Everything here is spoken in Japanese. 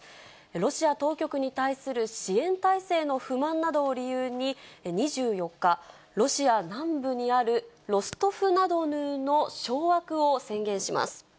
ロシア当局に対する支援体制の不満などを理由に、２４日、ロシア南部にあるロストフナドヌーの掌握を宣言します。